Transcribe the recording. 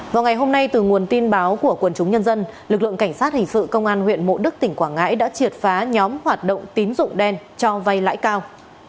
vào ngày hôm nay từ nguồn tin báo của quần chúng nhân dân lực lượng cảnh sát hình sự công an huyện mộ đức tỉnh quảng ngãi đã triệt phá nhóm hoạt động tín dụng đen cho vay lãi cao